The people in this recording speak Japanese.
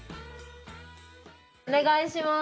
お願いします。